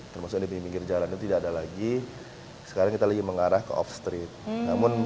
termasuk di pinggir jalan itu tidak ada lagi sekarang kita lagi mengarah ke off street